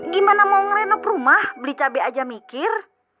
gimana mau ngerenop rumah beli cabai aja mikir